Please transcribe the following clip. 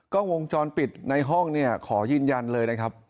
กล้องวงจรปิดในห้องเนี่ยขอยืนยันเลยนะครับ